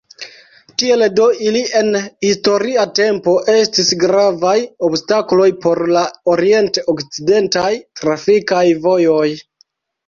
Tiel do ili en historia tempo estis gravaj obstakloj por la orient-okcidentaj trafikaj vojoj.